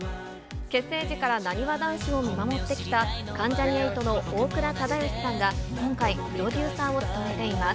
結成時からなにわ男子を見守ってきた関ジャニ∞の大倉忠義さんが今回、プロデューサーを務めています。